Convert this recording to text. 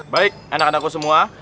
baik anak anakku semua